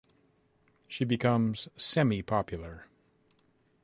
She becomes semi-popular.